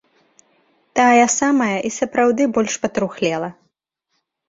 Тая самая, і сапраўды больш патрухлела.